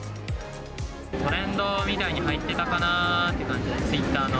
トレンドみたいに入ってたかなって感じで、ツイッターの。